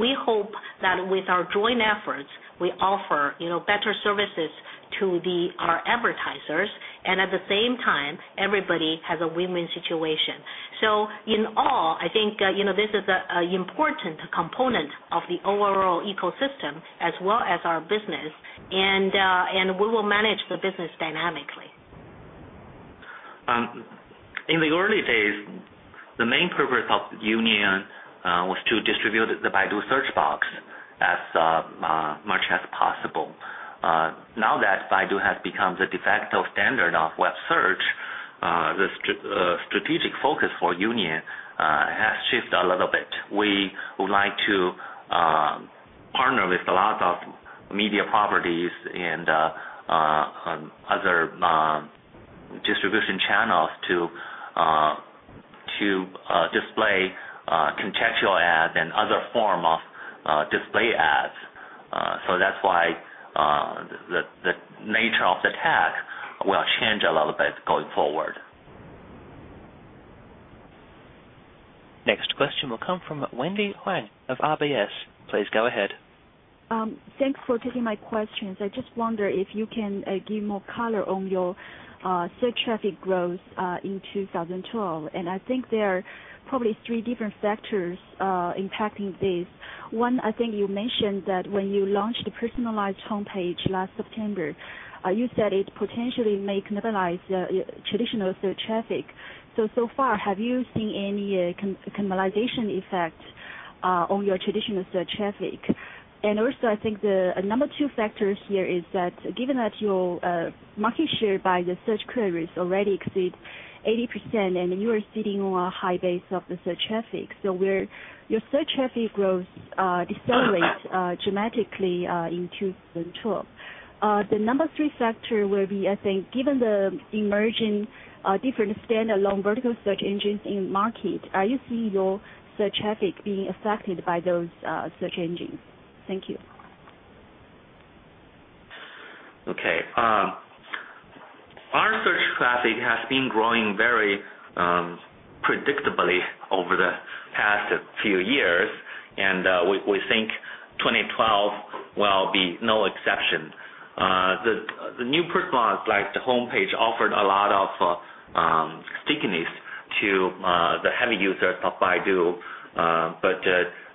We hope that with our joint efforts, we offer better services to our advertisers, and at the same time, everybody has a win-win situation. In all, I think this is an important component of the overall ecosystem as well as our business, and we will manage the business dynamically. In the early days, the main purpose of the union was to distribute the Baidu search box as much as possible. Now that Baidu has become the de facto standard of web search, the strategic focus for union has shifted a little bit. We would like to partner with a lot of media properties and other distribution channels to display contextual ads and other forms of display ads. That is why the nature of the tag will change a little bit going forward. Next question will come from Wendy Huang of RBS. Please go ahead. Thanks for taking my questions. I just wonder if you can give more color on your search traffic growth in 2012. I think there are probably three different factors impacting this. One, I think you mentioned that when you launched the personalized homepage last September, you said it potentially may cannibalize traditional search traffic. So far, have you seen any cannibalization effect on your traditional search traffic? I think the number two factor here is that given that your market share by the search queries already exceeds 80%, and you are sitting on a high base of the search traffic, your search traffic growth decelerates dramatically in 2012. The number three factor will be, I think, given the emerging different standalone vertical search engines in the market, are you seeing your search traffic being affected by those search engines? Thank you. Okay. Our search traffic has been growing very predictably over the past few years, and we think 2012 will be no exception. The new products like the homepage offered a lot of stickiness to the heavy users of Baidu, but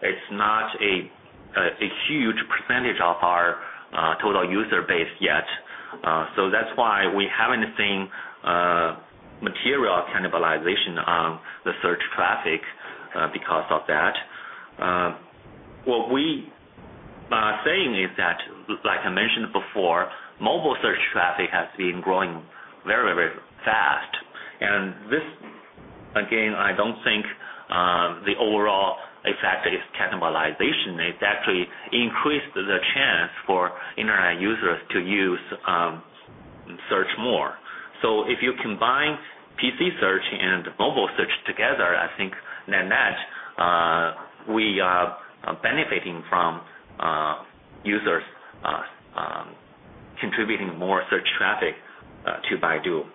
it's not a huge percentage of our total user base yet. That's why we haven't seen material cannibalization on the search traffic because of that. What we are saying is that, like I mentioned before, mobile search traffic has been growing very, very fast. This, again, I don't think the overall effect is cannibalization. It actually increases the chance for internet users to use search more. If you combine PC search and mobile search together, I think we are benefiting from users contributing more search traffic to Baidu.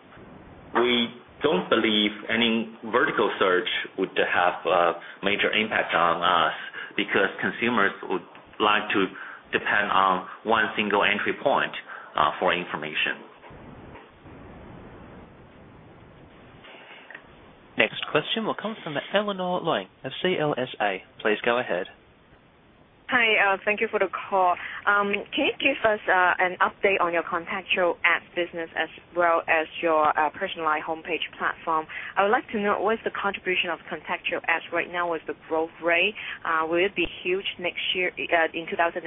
We don't believe any vertical search would have a major impact on us because consumers would like to depend on one single entry point for information. Next question will come from Elinor Leung of CLSA. Please go ahead. Hi, thank you for the call. Can you give us an update on your contextual ads business as well as your personalized homepage platform? I would like to know what is the contribution of contextual ads right now with the growth rate. Will it be huge next year in 2012?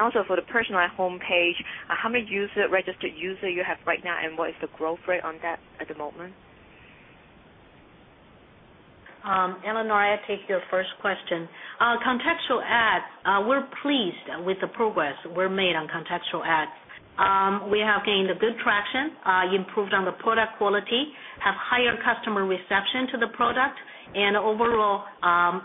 Also, for the personalized homepage, how many registered users do you have right now, and what is the growth rate on that at the moment? Elinor, I take your first question. Contextual ads, we're pleased with the progress we've made on contextual ads. We have gained good traction, improved on the product quality, have higher customer reception to the product, and overall,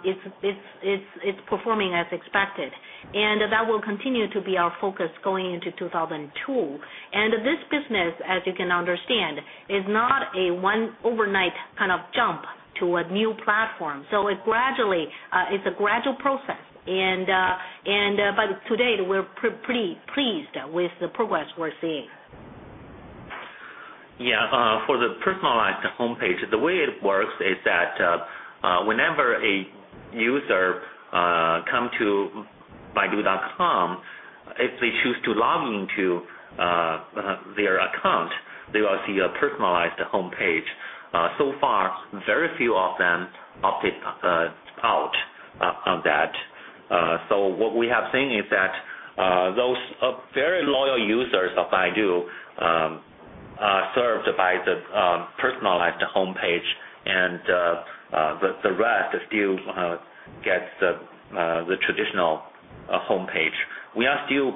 it's performing as expected. That will continue to be our focus going into 2012. This business, as you can understand, is not a one overnight kind of jump to a new platform. It's a gradual process. By today, we're pretty pleased with the progress we're seeing. Yeah, for the personalized homepage, the way it works is that whenever a user comes to baidu.com, if they choose to log into their account, they will see a personalized homepage. So far, very few of them opted out of that. What we have seen is that those very loyal users of Baidu are served by the personalized homepage, and the rest still get the traditional homepage. We are still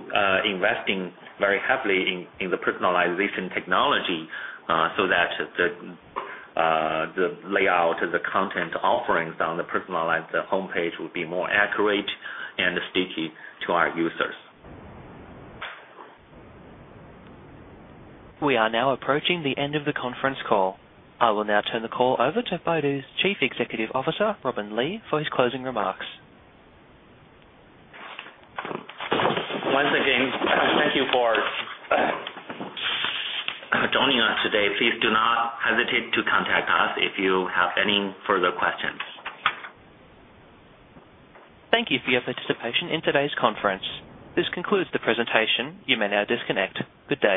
investing very heavily in the personalization technology so that the layout of the content offerings on the personalized homepage would be more accurate and sticky to our users. We are now approaching the end of the conference call. I will now turn the call over to Baidu's Chief Executive Officer, Robin Li, for his closing remarks. [Thanks for everyone today], please do not hesitate to contact us if you have any further questions. Thank you for your participation in today's conference. This concludes the presentation. You may now disconnect. Good day.